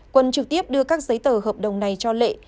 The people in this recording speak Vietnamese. quân trực tiếp đưa các giấy tờ hợp đồng này cho lệ